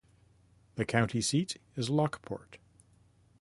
The county seat is Lockport.